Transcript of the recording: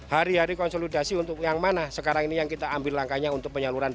hari hari konsolidasi untuk yang mana sekarang ini yang kita ambil langkahnya untuk penyaluran